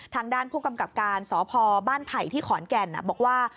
ทางด้านผู้กำกับการสพบ้านไผ่ที่ขอนแก่นบอกว่า